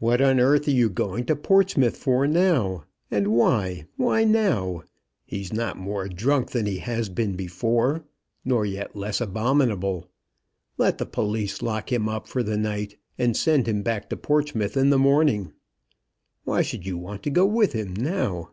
"What on earth are you going to Portsmouth for now? And why? why now? He's not more drunk than he has been before, nor yet less abominable. Let the police lock him up for the night, and send him back to Portsmouth in the morning. Why should you want to go with him now?"